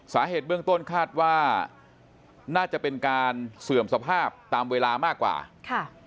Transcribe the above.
สาเหตุเบื้องต้นคาดว่าน่าจะเป็นการเสื่อมสภาพตามเวลามากกว่าค่ะ